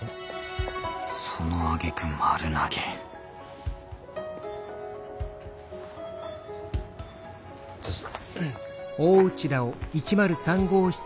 そのあげく丸投げどうぞ。